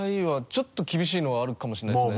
ちょっと厳しいのはあるかもしれないですね。